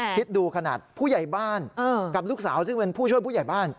คิดดูขนาดผู้ใหญ่บ้านกับลูกสาวซึ่งเป็นผู้ช่วยผู้ใหญ่บ้าน